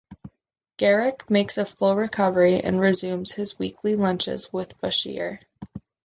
Garak makes a full recovery and resumes his weekly lunches with Bashir.